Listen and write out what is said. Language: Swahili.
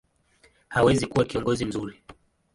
hawezi kuwa kiongozi mzuri.